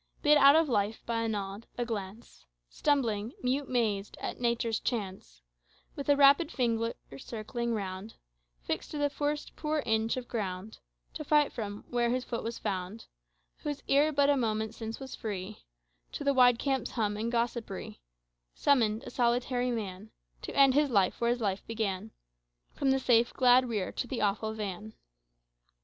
Bid out of life by a nod, a glance, Stumbling, mute mazed, at Nature's chance With a rapid finger circling round, Fixed to the first poor inch of ground To fight from, where his foot was found, Whose ear but a moment since was free To the wide camp's hum and gossipry Summoned, a solitary man, To end his life where his life began, From the safe glad rear to the awful van."